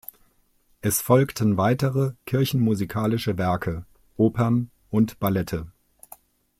Es folgten weitere kirchenmusikalische Werke, Opern und Ballette.